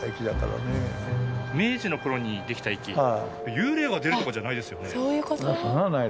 幽霊が出るとかじゃないですよね？